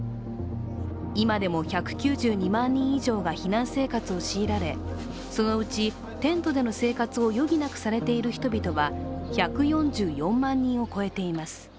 今でも１９２万人以上が避難生活を強いられそのうちテントでの生活を余儀なくされている人々は１４４万人を超えています。